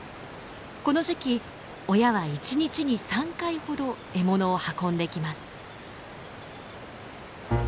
この時期親は１日に３回ほど獲物を運んできます。